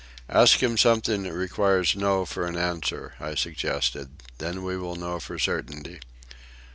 "Ask him something that requires no for an answer," I suggested. "Then we will know for certainty."